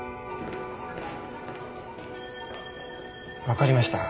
分かりました。